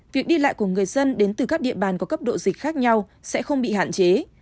việc đi lại của người dân đến từ các địa bàn có cấp độ dịch khác nhau sẽ không bị hạn chế